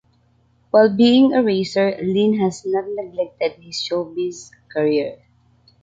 While being a racer, Lin has not neglected his showbiz career.